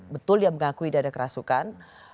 betul dia mengakui dia ada kerasukan